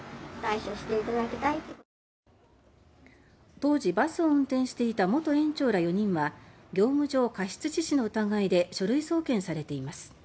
当時バスを運転していた元園長ら４人は業務上過失致死の疑いで書類送検されています。